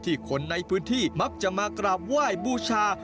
คนในพื้นที่มักจะมากราบไหว้บูชา